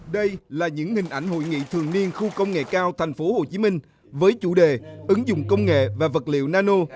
đây là những hình ảnh hội nghị thường niên khu công nghệ cao tp hcm với chủ đề ứng dụng công nghệ và vật liệu nano